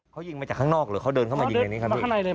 เขายิงมาจากข้างนอกหรือเขาเดินเข้ามายิงอย่างนี้ครับพี่